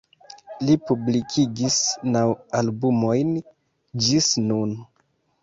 Li publikigis naŭ albumojn ĝis nun.